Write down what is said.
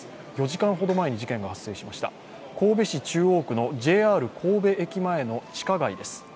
４時間ほど前に事件が発生しました神戸市中央区のＪＲ神戸駅前の地下街です。